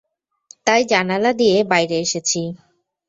তাই জানালা দিয়ে বাইরে এসেছি।